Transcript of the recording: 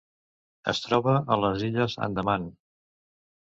Es troba a les Illes Andaman.